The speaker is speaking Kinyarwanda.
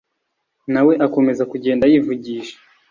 na we akomeza kugenda yivugisha